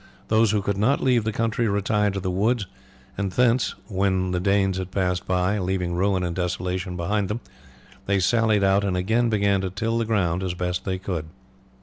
Those who could not leave the country retired to the woods, and thence, when the Danes had passed by, leaving ruin and desolation behind them, they sallied out and again began to till the ground as best they could.